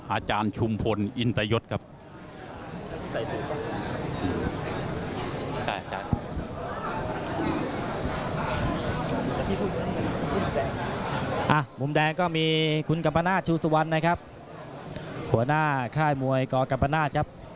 อาจารย์ชุมพลอินตยศครับ